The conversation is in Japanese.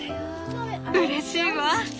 うれしいわ。